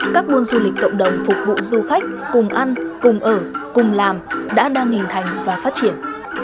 các buôn du lịch cộng đồng phục vụ du khách cùng ăn cùng ở cùng làm đã đang hình thành và phát triển